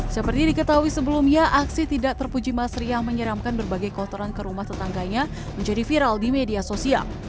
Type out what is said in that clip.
seperti diketahui sebelumnya aksi tidak terpuji mas riah menyeramkan berbagai kotoran ke rumah tetangganya menjadi viral di media sosial